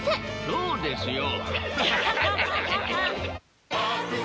そうですよ。